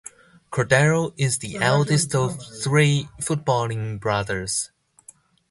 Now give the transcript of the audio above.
Cordero is the eldest of three footballing brothers.